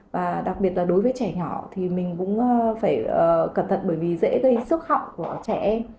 và đặc biệt là đối với trẻ nhỏ thì mình cũng phải cẩn thận bởi vì dễ gây sức họng của trẻ em